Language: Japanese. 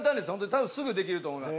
多分すぐできると思います。